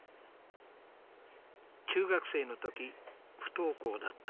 中学生の時不登校だった女性。